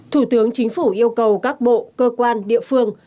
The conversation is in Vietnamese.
thủ tướng chính phủ yêu cầu các bộ cơ quan địa phương